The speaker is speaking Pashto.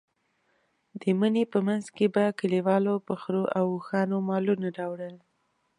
د مني په منځ کې به کلیوالو په خرو او اوښانو مالونه راوړل.